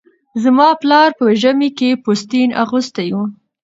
زما پلاره به ژمي کې پوستين اغوستی و